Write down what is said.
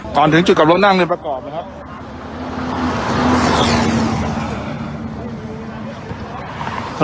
ก่อนถึงจุดกลับแล้วนั่งในประกอบนะครับ